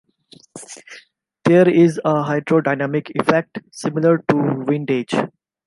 There is a hydrodynamic effect similar to windage.